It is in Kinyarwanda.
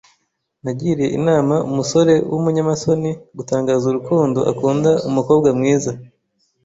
Nagiriye inama umusore wumunyamasoni gutangaza urukundo akunda umukobwa mwiza.